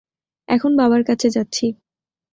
এখন বাবার কাছে যাচ্ছি।